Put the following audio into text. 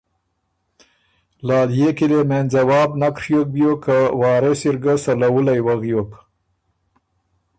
لالئے کی لې مېن ځواب نک ڒیوک بیوک که وارث اِر ګه سَلَوُلّئ وغیوک